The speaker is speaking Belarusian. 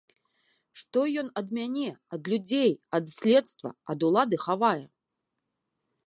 Што ён ад мяне, ад людзей, ад следства, ад улады хавае?